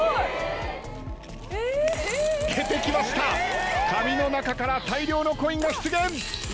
出てきました髪の中から大量のコインが出現。